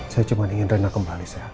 saya cuma ingin rena kembali sehat